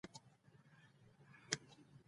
د متفاوتو غبرګونونو د رامنځته کېدو لامل کېږي.